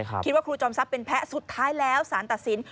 ครูจอมทรัพย์เป็นแพ้สุดท้ายแล้วสารตัดสิน